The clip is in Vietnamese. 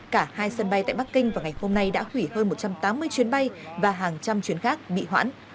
cả hai sân bay tại bắc kinh vào ngày hôm nay đã hủy hơn một trăm tám mươi chuyến bay và hàng trăm chuyến khác bị hoãn